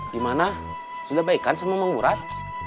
gimana sudah baik kan semua mengurat